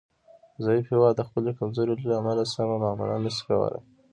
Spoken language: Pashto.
ضعیف هیواد د خپلې کمزورۍ له امله سمه معامله نشي کولای